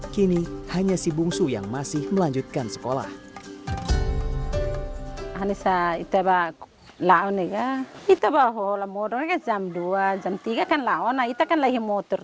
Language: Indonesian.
kini hanya si bungsu yang masih melanjutkan sekolah